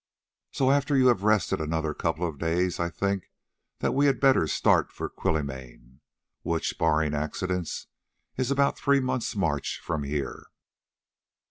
So after you have rested another couple of days I think that we had better start for Quilimane, which, barring accidents, is about three months' march from here."